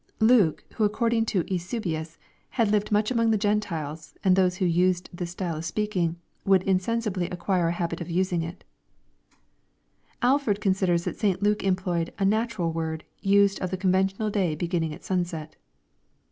Luke, who according to Eusebius, had lived much among the G entiles and those who used this style of speak ing, would insensibly acquire a habit of using it" Alford considers that St. Luke employed " a natural word, used of the conventional day beginning at sunset."